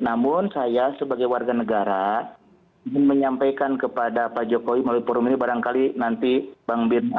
namun saya sebagai warga negara ingin menyampaikan kepada pak jokowi melalui forum ini barangkali nanti bang birna